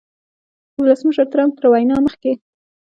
د ولسمشر ټرمپ تر وینا مخکې